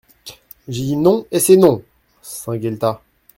J'ai dit non, et c'est non ! SAINT-GUELTAS.